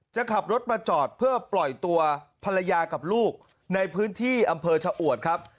จะขับรถมาจอดเพื่อปล่อยตัวภรรยากับลูกในพื้นที่อำเภอชะอวดครับ